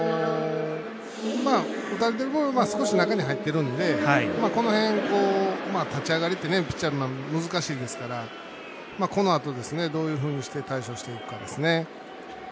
少し中に入っているんでこの辺、立ち上がりってピッチャー難しいですからこのあと、どういうふうにして対処していくかですね。